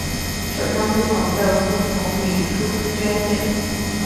首倡筑城的顾从礼出资捐建。